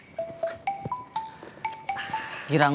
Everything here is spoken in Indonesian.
ibu mau manggil lagi